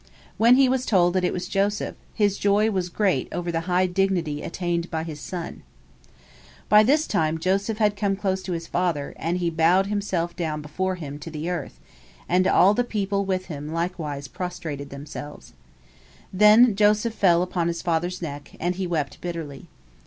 When he was told that it was Joseph, his joy was great over the high dignity attained by his son. By this time Joseph had come close to his father, and he bowed himself before him down to the earth, and all the people with him likewise prostrated themselves. Then Joseph fell upon his father's neck, and he wept bitterly.